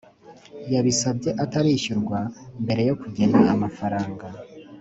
Yabisabye atarishyurwa mbere yo kugena amafaranga